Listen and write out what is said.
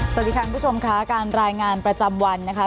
สวัสดีค่ะคุณผู้ชมค่ะการรายงานประจำวันนะคะ